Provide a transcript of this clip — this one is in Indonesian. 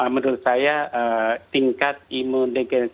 menurut saya tingkat imunisitas indonesia